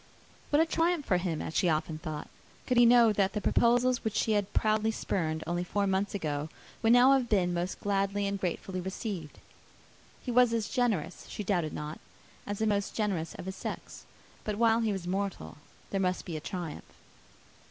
What a triumph for him, as she often thought, could he know that the proposals which she had proudly spurned only four months ago would now have been gladly and gratefully received! He was as generous, she doubted not, as the most generous of his sex. But while he was mortal, there must be a triumph.